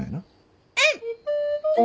うん！